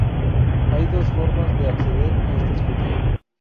Hay dos formas de acceder a esta escotilla.